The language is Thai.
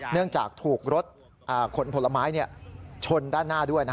เนื่องจากถูกรถขนผลไม้ชนด้านหน้าด้วย